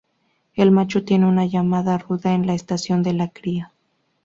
El macho tiene una llamada ruda en la estación de la cría.